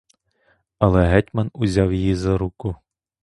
Але гетьман узяв її за руку.